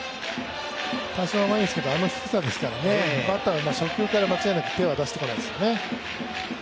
多少甘いですけどあの低さですからね、バッターは初球から間違いなく手は出してこないですね。